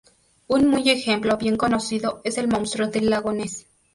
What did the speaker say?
Un muy ejemplo bien conocido es el Monstruo del lago Ness.